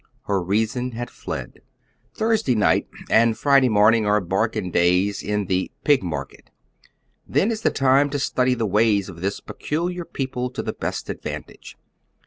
Her reason had fled, Tiinrsday night and Friday morning are bargain days in the " Pig market." Then is the time to study the ways of this peculiar people to the best advantage.